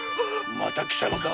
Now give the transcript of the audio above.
また貴様か。